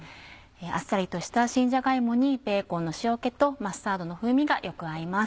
あっさりとした新じゃが芋にベーコンの塩気とマスタードの風味がよく合います。